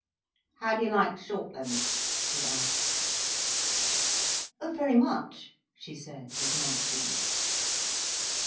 "How do you like Shortlands?" he asked. "Oh, very much," she said, with nonchalance.